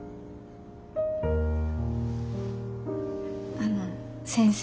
あの先生。